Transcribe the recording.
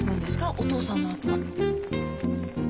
お父さんのあとは。